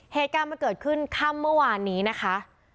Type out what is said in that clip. เหตุการณ์มันเกิดขึ้นค่ำเมื่อวานนี้นะคะ